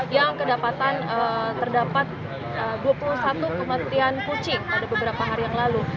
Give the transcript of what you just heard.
yang terdapat dua puluh satu kematian kucing pada beberapa hari yang lalu